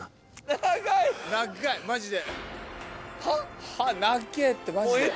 長いマジで。